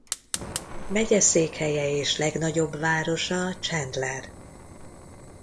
Megyeszékhelye és legnagyobb városa Chandler.